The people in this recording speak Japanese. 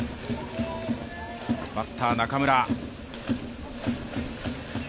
バッター・中村。